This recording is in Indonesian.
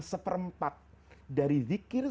seperempat dari zikir